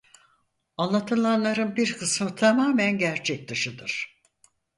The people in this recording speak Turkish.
Anlatılanların bir kısmı tamamen gerçek dışıdır.